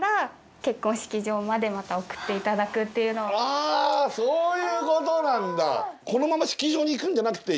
あそういうことなんだ。